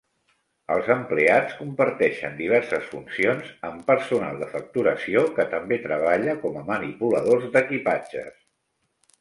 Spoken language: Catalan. Els empleats comparteixen diverses funcions amb personal de facturació que també treballa com a manipuladors d'equipatges.